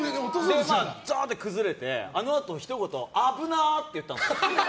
ザーって崩れてあのあと、ひと言あぶなっ！と言ったんですよ。